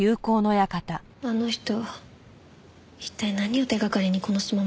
あの人一体何を手掛かりにこの島まで来たのかしら。